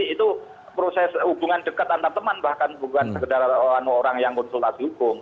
itu proses hubungan dekat antar teman bahkan bukan sekedar orang yang konsultasi hukum